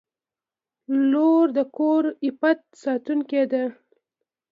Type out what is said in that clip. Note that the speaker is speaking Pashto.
• لور د کور د عفت ساتونکې ده.